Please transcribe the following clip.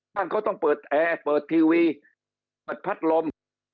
ก็ต้องเปิดแอร์เปิดทีวีเปิดพัดลม